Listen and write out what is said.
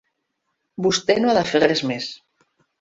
Vostè no ha de fer res més.